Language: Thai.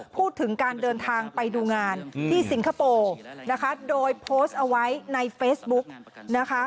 พูดถึงการเดินทางไปดูงานที่สิงคโปร์นะคะโดยโพสต์เอาไว้ในเฟซบุ๊กนะคะ